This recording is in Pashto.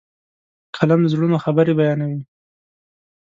قلم د زړونو خبرې بیانوي.